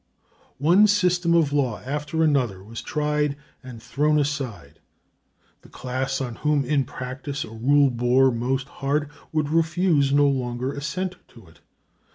One system of law after another was tried and thrown aside. The class on whom in practice a rule bore most hard, would refuse longer assent to it.